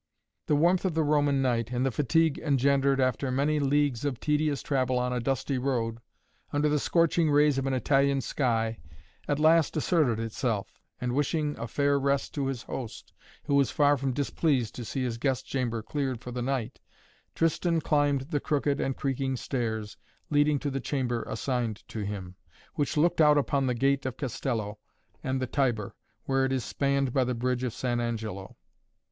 The warmth of the Roman night and the fatigue engendered after many leagues of tedious travel on a dusty road, under the scorching rays of an Italian sky, at last asserted itself and, wishing a fair rest to his host, who was far from displeased to see his guest chamber cleared for the night, Tristan climbed the crooked and creaking stairs leading to the chamber assigned to him, which looked out upon the gate of Castello and the Tiber, where it is spanned by the Bridge of San Angelo.